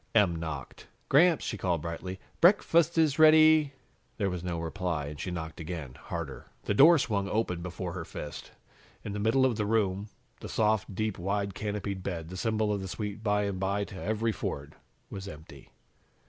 Em knocked. "Gramps," she called brightly, "break fast is rea dy." There was no reply and she knocked again, harder. The door swung open before her fist. In the middle of the room, the soft, deep, wide, canopied bed, the symbol of the sweet by and by to every Ford, was empty.